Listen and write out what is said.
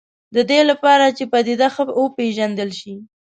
د دې لپاره چې پدیده ښه وپېژندل شي.